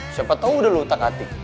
siapa tau udah lo utak atik